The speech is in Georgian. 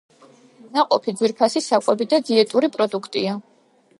ნაყოფი ძვირფასი საკვები და დიეტური პროდუქტია.